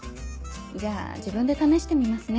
じゃあ自分で試してみますね。